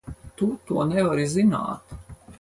Tu to nevari zināt!